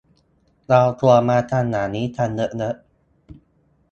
เราควรมาทำอย่างนี้กันเยอะเยอะ